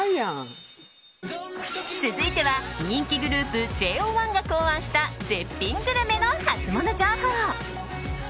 続いては、人気グループＪＯ１が考案した絶品グルメのハツモノ情報。